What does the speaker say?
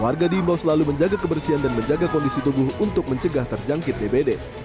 warga diimbau selalu menjaga kebersihan dan menjaga kondisi tubuh untuk mencegah terjangkit dbd